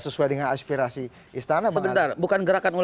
sesuai dengan aspirasi istana benar bukan gerakan